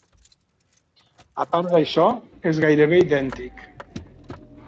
Apart d'això, és gairebé idèntic.